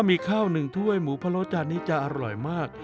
มีข้าวหนึ่งถ้วยหมูพะโล้จานนี้จะอร่อยมาก